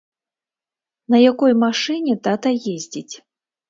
На якой машыне тата ездзіць?